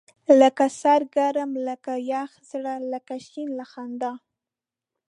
کله سر ګرم ، کله يخ زړه، کله شين له خندا